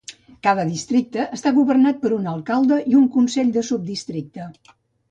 Cada districte està governat per un alcalde i un consell del subdistricte.